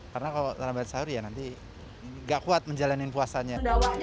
karena kalau terlambat sahur ya nanti gak kuat menjalani puasanya